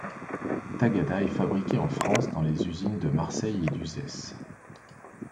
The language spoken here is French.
Tagada est fabriquée en France dans les usines de Marseille et d'Uzés.